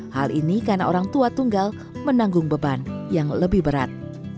hal ini karena orang tua tunggal menanggung beban yang lebih berat